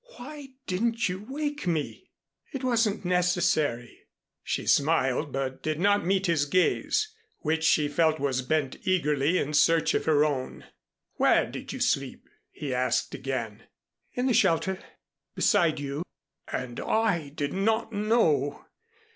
"Why didn't you wake me?" "It wasn't necessary." She smiled, but did not meet his gaze, which she felt was bent eagerly in search of her own. "Where did you sleep?" he asked again. "In the shelter beside you." "And I did not know!